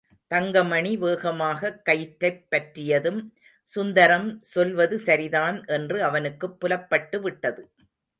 தங்கமணி வேகமாகக் கயிற்றைப் பற்றியதும் சுந்தரம் சொல்வது சரிதான் என்று அவனுக்குப் புலப்பட்டு விட்டது.